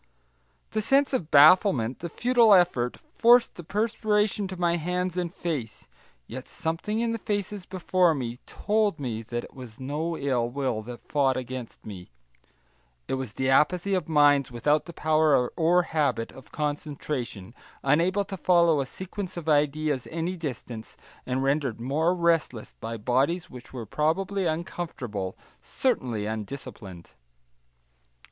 The sense of bafflement, the futile effort, forced the perspiration to my hands and face yet something in the faces before me told me that it was no ill will that fought against me; it was the apathy of minds without the power or habit of concentration, unable to follow a sequence of ideas any distance, and rendered more restless by bodies which were probably uncomfortable, certainly undisciplined.